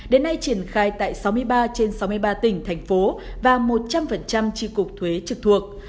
đến nay triển khai tại sáu mươi ba trên sáu mươi ba tỉnh thành phố và một trăm linh tri cục thuế trực thuộc